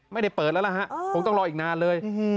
ไม่ได้เปิดแล้วล่ะฮะคงต้องรออีกนานเลย